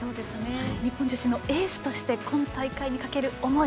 日本選手のエースとして今大会にかける思い